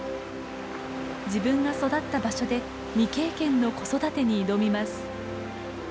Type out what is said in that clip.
自分が育った場所で未経験の子育てに挑みます。